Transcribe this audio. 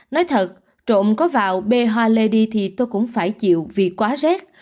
nói thật trộm có vào bê hoa lê đi thì tôi cũng phải chịu vì quá rét